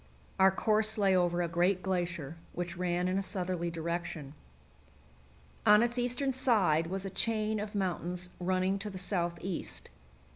Our course lay over a great glacier, which ran in a southerly direction. On its eastern side was a chain of mountains running to the southeast.